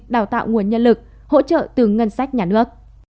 đào tạo nguồn nhân lực hỗ trợ từ ngân sách nhà nước